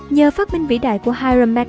nhờ phát minh vĩ đại của hai súng máy